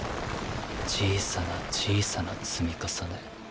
小さな小さな積み重ね